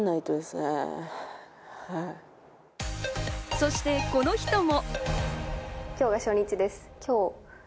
そして、この人も。